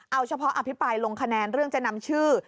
เอาเฉพาะอภิปรายลงคะแนนเรื่องจะนำชื่อ